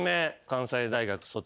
関西大学卒。